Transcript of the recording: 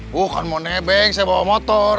bukan mau nebek saya bawa motor